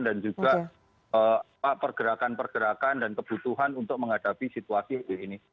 dan juga pergerakan pergerakan dan kebutuhan untuk menghadapi situasi ini